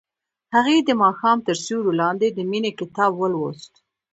هغې د ماښام تر سیوري لاندې د مینې کتاب ولوست.